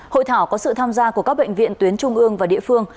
hội thảo có sự tham gia của các bệnh viện tuyến trung ương và địa phương